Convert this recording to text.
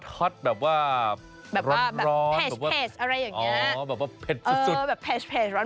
ฮอตแบบว่าร้อนแบบว่าอ๋อแบบว่าเผ็ดสุดแบบเผ็ดร้อน